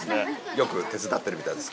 よく手伝ってるみたいです。